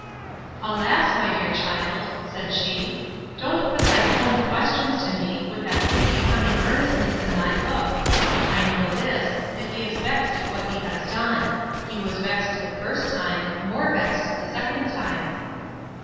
Alas! my dear child, said she, don't put thy home questions to me, with that pretty becoming earnestness in thy look. I know this, that he is vexed at what he has done; he was vexed the first time, more vexed the second time.